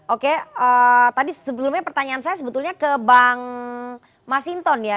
oke tadi sebelumnya pertanyaan saya sebetulnya ke bang masinton ya